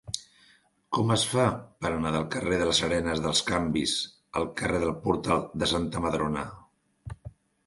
Com es fa per anar del carrer de les Arenes dels Canvis al carrer del Portal de Santa Madrona?